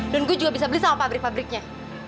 dan gue juga bisa beli sama pabrik pabriknya